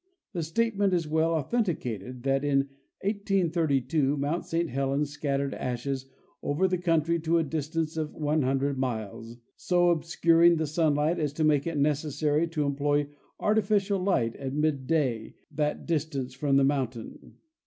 The statement is well authenticated that in 1832 mount Saint Helens scattered ashes over the country to a distance of 100 miles, so obscuring the sunlight as to make it necessary to employ artificial hght at midday that distance from the mountain.